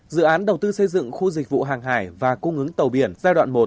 dự án đầu tư xây dựng khu dịch vụ hàng hải và cung ứng tàu biển giai đoạn một